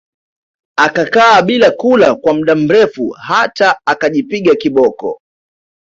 Akakaa bila kula kwa mda mrefu hata akajipiga kiboko